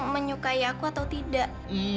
menyukai aku atau tidak